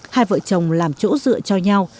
hai vợ chồng làm chỗ dựa cho nhau